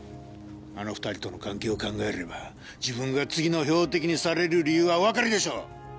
あの２人との関係を考えれば自分が次の標的にされる理由はおわかりでしょう？